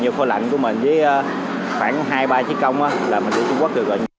nhiều kho lạnh của mình với khoảng hai ba chiếc công là mình đi trung quốc được gần